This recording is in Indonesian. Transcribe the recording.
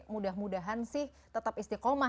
mudah mudahan sih tetap istiqomah